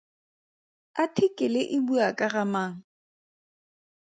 Athikele e bua ka ga mang?